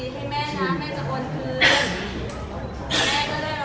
ก็คือ๒ล้าน๒ค่ะ